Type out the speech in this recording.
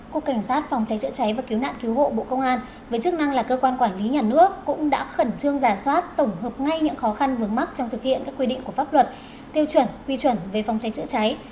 cục cảnh sát phòng cháy chữa cháy và cứu nạn cứu hộ bộ công an với chức năng là cơ quan quản lý nhà nước cũng đã khẩn trương giả soát tổng hợp ngay những khó khăn vướng mắt trong thực hiện các quy định của pháp luật tiêu chuẩn quy chuẩn về phòng cháy chữa cháy